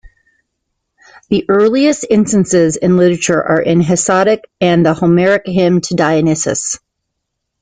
The earliest instances in literature are in Hesiod and the Homeric hymn to Dionysus.